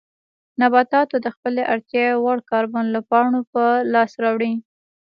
نباتاتو د خپلې اړتیا وړ کاربن له پاڼو په لاس راوړي.